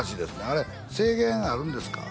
あれ制限あるんですか？